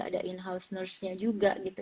ada in house nurse nya juga gitu